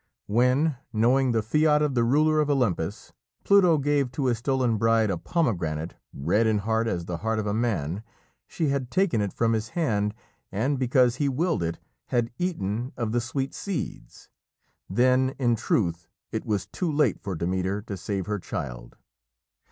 When, knowing the fiat of the ruler of Olympus, Pluto gave to his stolen bride a pomegranate, red in heart as the heart of a man, she had taken it from his hand, and, because he willed it, had eaten of the sweet seeds. Then, in truth, it was too late for Demeter to save her child.